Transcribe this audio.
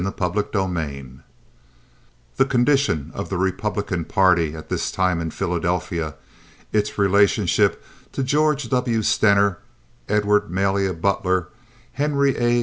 Chapter XXIV The condition of the Republican party at this time in Philadelphia, its relationship to George W. Stener, Edward Malia Butler, Henry A.